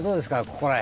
ここら辺。